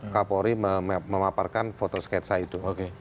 kapolri memaparkan foto sketsa itu